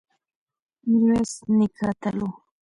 میرویس نیکه اتل و